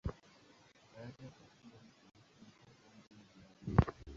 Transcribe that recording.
Baada ya katiba mpya, imekuwa Kaunti ya Nyandarua.